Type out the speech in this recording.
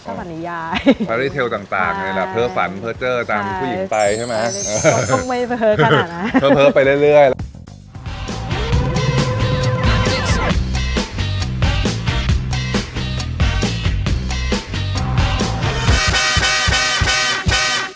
เทพนิยายต่างต่างเลยล่ะเพิ่มฝันเพิ่มเจอตามผู้หญิงไปใช่ไหมต้องไม่เพิ่มกันอ่ะนะเพิ่มไปเรื่อยเรื่อย